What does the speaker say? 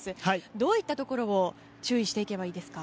どういったところを注意していけばいいですか。